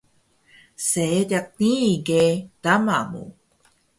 Seediq nii ge tama mu